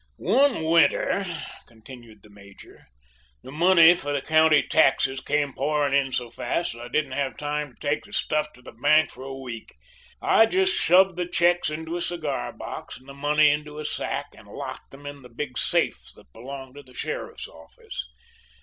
"One winter," continued the major, "the money for the county taxes came pouring in so fast that I didn't have time to take the stuff to the bank for a week. I just shoved the checks into a cigar box and the money into a sack, and locked them in the big safe that belonged to the sheriff's office.